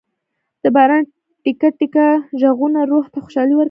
د باران ټېکه ټېکه ږغونه روح ته خوشالي ورکوي.